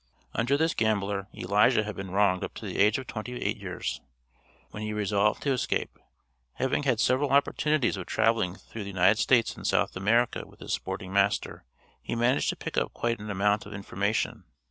Under this gambler Elijah had been wronged up to the age of twenty eight years, when he resolved to escape. Having had several opportunities of traveling through the United States and South America with his sporting master, he managed to pick up quite an amount of information.